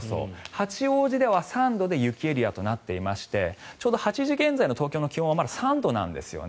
八王子では３度で雪エリアとなっていましてちょうど８時現在の東京の気温はまだ３度なんですね。